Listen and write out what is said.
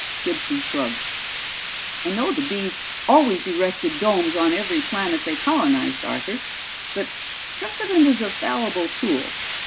Gibson shrugged. "I know the Bees always erected domes on every planet they colonized, Arthur, but precedent is a fallible tool.